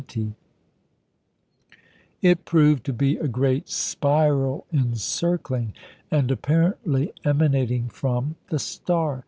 It proved to be a great spiral encircling, and apparently emanating from, the star.